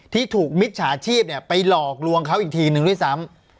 ที่ถูกมิจฉาชีพไปหลอกลวงเขาอีกทีนึงด้วยซ้ำ